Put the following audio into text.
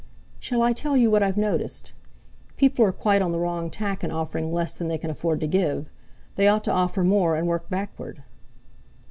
"Shall I tell you what I've noticed: People are quite on the wrong tack in offering less than they can afford to give; they ought to offer more, and work backward."